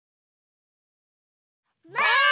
ばあっ！